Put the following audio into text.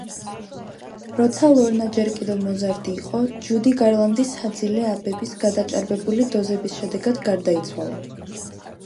როცა ლორნა ჯერ კიდევ მოზარდი იყო, ჯუდი გარლანდი საძილე აბების გადაჭარბებული დოზების შედეგად გარდაიცვალა.